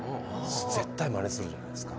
絶対まねするじゃないですか。